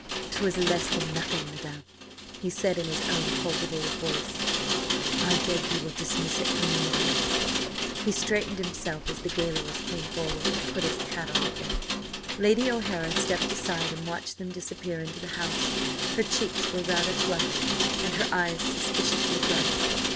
"'Twas less than nothing, madam," he said in his own cultivated voice. "I beg you will dismiss it from your mind." He straightened himself as the gaolers came forward, and put on his hat again. Lady O'Hara stepped aside and watched them disappear into the house. Her cheeks were rather flushed, and her eyes suspiciously bright.